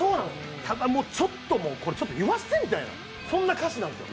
ただ、これ、ちょっと言わせてみたいな、そんな歌詞なんですよ。